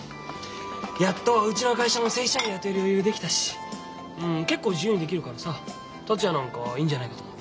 やっとうちの会社も正社員雇える余裕できたし結構自由にできるからさ達也なんかはいいんじゃないかと思って。